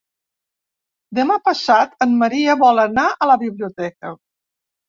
Demà passat en Maria vol anar a la biblioteca.